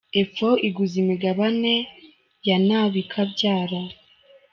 Epfo iguze imigabane ya na bikabyara.